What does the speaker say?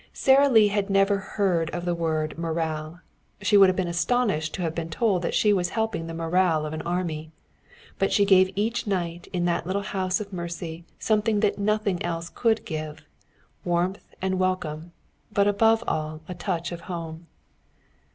Sara Lee had never heard of the word morale. She would have been astonished to have been told that she was helping the morale of an army. But she gave each night in that little house of mercy something that nothing else could give warmth and welcome, but above all a touch of home.